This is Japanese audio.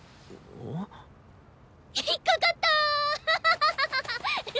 引っ掛かった！